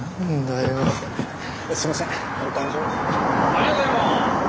ありがとうございます！